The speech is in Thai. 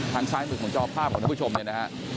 ทางซ้ายมือของจอภาพของท่านผู้ชมเนี่ยนะฮะ